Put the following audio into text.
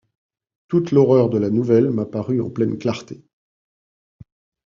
Toute l'horreur de la nouvelle m'apparut en pleine clarté.